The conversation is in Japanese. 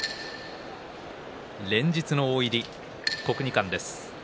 連日の大入り、国技館です。